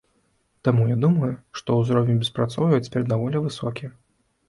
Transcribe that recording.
Таму, я думаю, што ўзровень беспрацоўя цяпер даволі высокі.